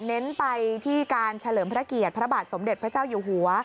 เน้นไปที่การเฉลิมพระเกียรติพระบาทสมเด็จพระเจ้าอยู่หัว